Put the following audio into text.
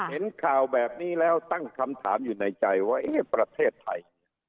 เห็นข่าวแบบนี้แล้วตั้งคำถามอยู่ในใจว่าเอ๊ะประเทศไทย